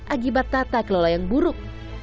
akibat tata kelola yang buruk